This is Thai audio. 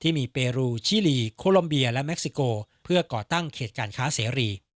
ที่มีเปรูชิลีโคลมเบียและเค็กซิโกเพื่อก่อตั้งเขตการค้าเสรี